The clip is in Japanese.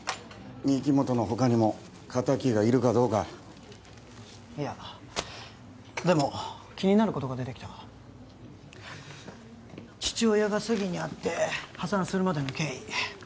御木本の他にも敵がいるかどうかいやでも気になることが出てきた父親が詐欺に遭って破産するまでの経緯